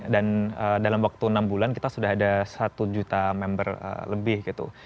dan dalam waktu enam bulan kita sudah ada satu juta member lebih gitu